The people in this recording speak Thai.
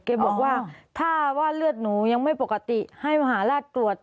แกบอกว่าถ้าว่าเลือดหนูยังไม่ปกติให้มหาราชตรวจ